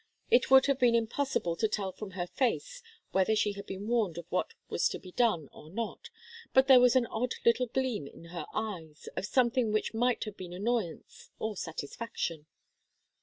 It would have been impossible to tell from her face whether she had been warned of what was to be done or not, but there was an odd little gleam in her eyes, of something which might have been annoyance or satisfaction.